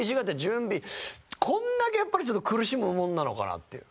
これだけやっぱりちょっと苦しむものなのかなっていう。